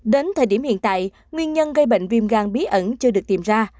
đến thời điểm hiện tại nguyên nhân gây bệnh viêm gan bí ẩn chưa được tìm ra